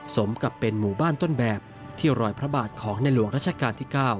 สมกับเป็นหมู่บ้านต้นแบบที่รอยพระบาทของในหลวงรัชกาลที่๙